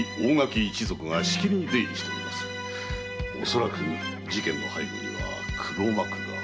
恐らく事件の背後には黒幕が。